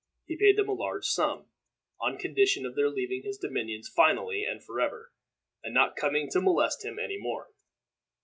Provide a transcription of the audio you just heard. He paid them a large sum, on condition of their leaving his dominions finally and forever, and not coming to molest him any more.